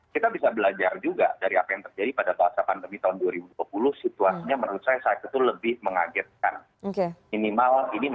kalau saya tangkap tadi apa yang disampaikan oleh pak joko